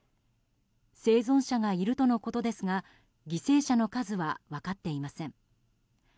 生存者がいるとのことですが犠牲者の数は分かっていません。